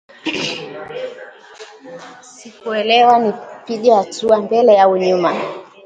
Sikuelewa nipige hatua mbele au nyuma